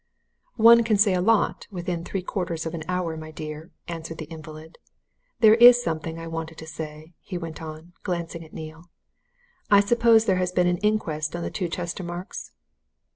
"One can say a lot within three quarters of an hour, my dear," answered the invalid. "There is something I wanted to say," he went on, glancing at Neale. "I suppose there has been an inquest on the two Chestermarkes?"